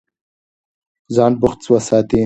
ځان بوخت وساتئ.